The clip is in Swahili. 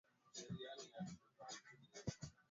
ni pamoja na Simenti mafuta ya mawese mchele sukari